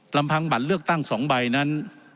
ลำพังบัตรเลือกตั้ง๒ใบนั้น